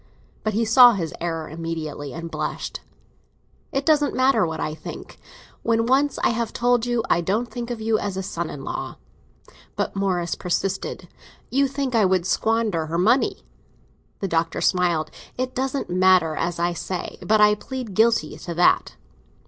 But he saw his error immediately, and blushed. "It doesn't matter what I think, when once I have told you I don't think of you as a son in law." But Morris persisted. "You think I would squander her money." The Doctor smiled. "It doesn't matter, as I say; but I plead guilty to that."